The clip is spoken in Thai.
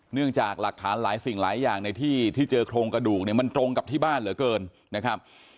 จากหลักฐานหลายสิ่งหลายอย่างในที่ที่เจอโครงกระดูกเนี่ยมันตรงกับที่บ้านเหลือเกินนะครับ